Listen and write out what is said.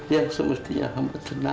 ya semestinya amba tenang